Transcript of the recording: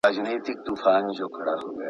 شمع هر څه ویني راز په زړه لري!